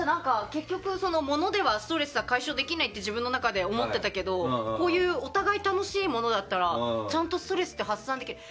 結局、物ではストレス解消できないって自分の中で思ってたけどこういうお互い楽しいものだったらちゃんとストレス発散できる。